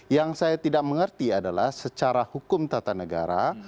yang saya tidak mengerti adalah secara hukum tata negara